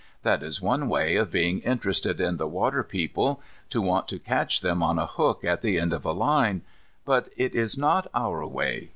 That is one way of being interested in the water people; to want to catch them on a hook at the end of a line, but it is not our way.